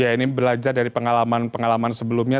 ya ini belajar dari pengalaman pengalaman sebelumnya